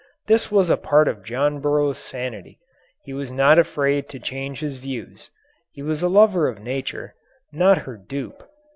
This was a part of John Burroughs's sanity he was not afraid to change his views. He was a lover of Nature, not her dupe.